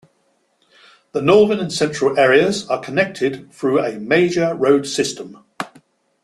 The northern and central areas are connected through a major road system.